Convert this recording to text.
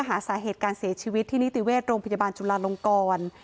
หาสาเหตุการเสียชีวิตที่นิติเวชโรงพยาบาลจุลาลงกร